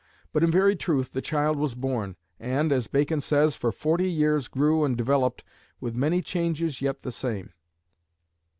But in very truth the child was born, and, as Bacon says, for forty years grew and developed, with many changes yet the same.